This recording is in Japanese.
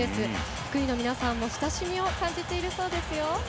福井の皆さんも親しみを感じているそうですよ。